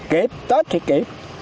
kiếp tết thì kiếp